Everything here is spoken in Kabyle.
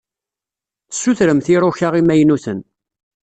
Tessutremt iruka imaynuten.